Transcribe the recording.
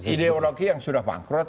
ideologi yang sudah bangkrut